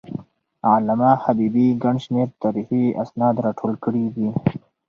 علامه حبيبي ګڼ شمېر تاریخي اسناد راټول کړي دي.